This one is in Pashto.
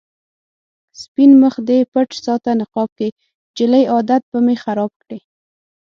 سپين مخ دې پټ ساته نقاب کې، جلۍ عادت به مې خراب کړې